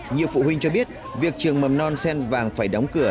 nhiều phụ huynh cho biết việc trường mầm non sen vàng phải đóng cửa